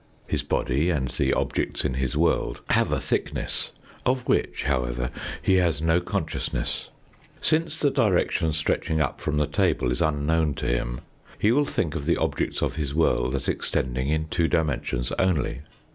His body and the objects in his world have a thickness of which however, he has no consciousness. Since the direction stretching up from the table is unknown to him he will think of the objects of his world as extending in two dimensions only.